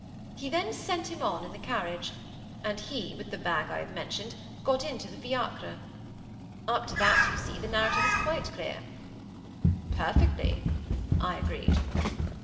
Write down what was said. He then sent him on, in the carriage; and he, with the bag I have mentioned, got into the fiacre. Up to that, you see, the narrative is quite clear." "Perfectly," I agreed.